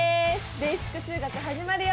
「ベーシック数学」始まるよ！